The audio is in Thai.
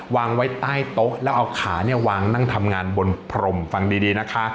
วางไว้ใต้โต๊ะแล้วเอาขาเนี่ยวางนั่งทำงานบนพรมฟังดีนะคะ